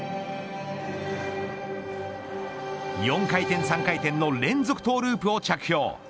４回転、３回転の連続トゥループを着氷。